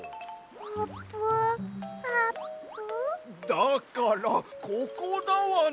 だからここだわね！